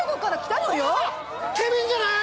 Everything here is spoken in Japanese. ケビンじゃない？